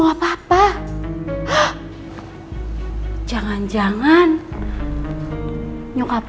emak apa ya